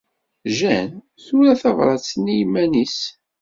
Jane tura tabṛat-nni i yiman-nnes.